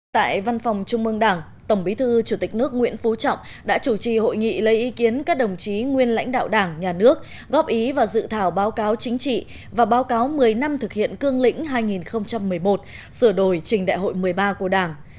tại văn phòng trung mương đảng tổng bí thư chủ tịch nước nguyễn phú trọng đã chủ trì hội nghị lấy ý kiến các đồng chí nguyên lãnh đạo đảng nhà nước góp ý vào dự thảo báo cáo chính trị và báo cáo một mươi năm thực hiện cương lĩnh hai nghìn một mươi một sửa đổi trình đại hội một mươi ba của đảng